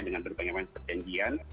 dengan berbagai macam perjanjian